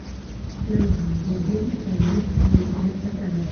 له محمد ولي ځلمي سره لیدنه کتنه.